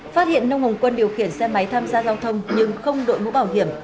phát hiện nông hồng quân điều khiển xe máy tham gia giao thông nhưng không đội mũ bảo hiểm